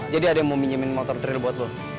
jadi ada yang mau minyamin motor tril buat lo